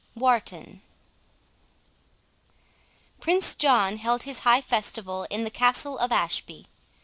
WARTON Prince John held his high festival in the Castle of Ashby.